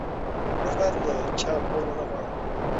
موږ باید له چا پور ونه غواړو.